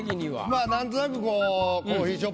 まぁ何となくこう。